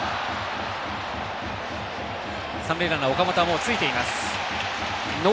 三塁ランナー岡本はもうついています。